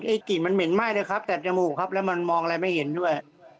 กลิ่นมันเหม็นไหม้เลยครับแต่จมูกครับแล้วมันมองอะไรไม่เห็นด้วย